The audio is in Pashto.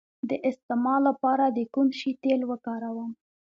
د استما لپاره د کوم شي تېل وکاروم؟